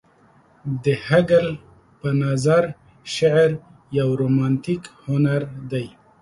د هګل په نظر شعر يو رومانتيک هنر دى.